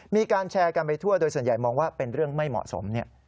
มีการแชร์กันไปทั่วโดยส่วนใหญ่มองว่าเป็นเรื่องไม่เหมาะสม